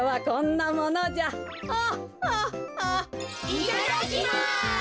いただきます！